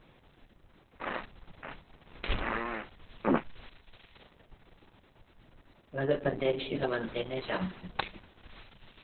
La dependència de l'antena és alta.